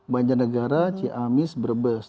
banjarnegara ciamis brebes